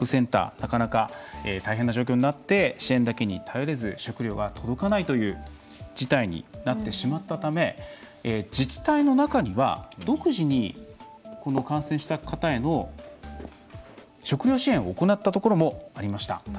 なかなか、大変な状況になって支援だけに頼れず食料が届かないという事態になってしまったため自治体の中には独自に、感染した方への食料支援を行ったところもありました。